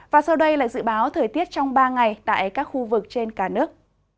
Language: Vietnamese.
và sau đây là dự báo thời tiết trong ba ngày tại các khu vực trên cả nước